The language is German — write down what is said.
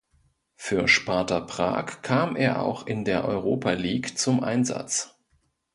Für Sparta Prag kam er auch in der Europa League zum Einsatz.